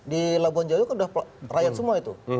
di labuan bajo kan udah pelayan semua itu